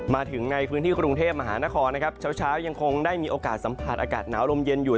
มาถึงในพื้นที่กรุงเทพมหานครนะครับเช้ายังคงได้มีโอกาสสัมผัสอากาศหนาวลมเย็นอยู่